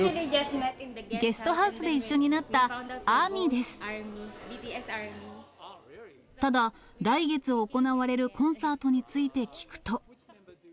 ゲストハウスで一緒になったただ、来月行われるコンサートについて聞くと。